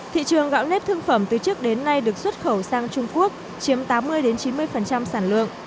thị trường gạo nếp thương phẩm từ trước đến nay được xuất khẩu sang trung quốc chiếm tám mươi chín mươi sản lượng